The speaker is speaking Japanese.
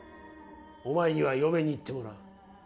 お前には嫁に行ってもらう。